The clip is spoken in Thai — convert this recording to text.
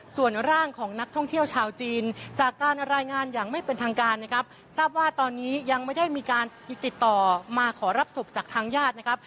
ส่วนร่างของนักท่องเที่ยวชาวจีนจากการรายงานอย่างไม่เป็นทางการนะครับทราบว่าตอนนี้ยังไม่ได้มีการติดต่อมาขอรับศพจากทางญาตินะครับ